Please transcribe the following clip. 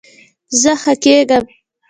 زه ښه کیږم